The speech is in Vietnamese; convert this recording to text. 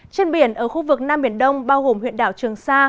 trên biển ở khu vực nam biển đông bao gồm huyện đảo trường sa